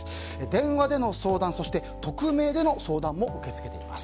電話での相談そして、匿名での相談も受け付けています。